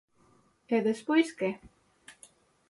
E despois que?